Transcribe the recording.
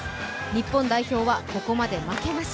日本代表はここまで負けなし。